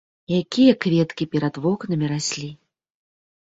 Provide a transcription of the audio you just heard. Якія кветкі перад вокнамі раслі!